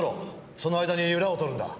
その間にウラを取るんだ。